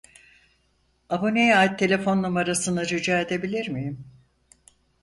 Aboneye ait telefon numarası rica edebilir miyim?